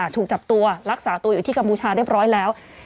ถูกจับตัวรักษาตัวอยู่ที่กัมพูชาเรียบร้อยแล้ว